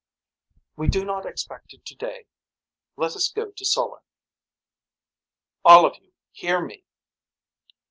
We do not expect it today. Let us go to Soller. All of you hear me.